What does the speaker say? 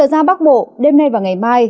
trở ra bắc bộ đêm nay và ngày mai